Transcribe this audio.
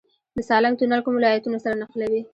د سالنګ تونل کوم ولایتونه سره نښلوي؟